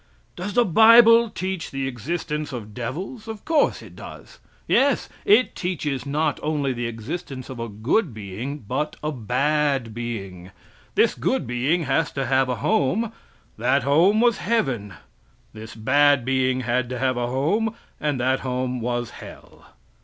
Does the bible teach the existence of devils? Of course it does. Yes, it teaches not only the existence of a good being, but a bad being. This good being has to have a home; that home was heaven. This bad being had to have a home; and that home was hell.